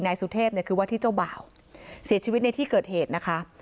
นายสุเทพเนี่ยคือว่าที่เจ้าบ่าวเสียชีวิตในที่เกิดเหตุนะคะ